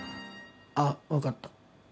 あっ分かった。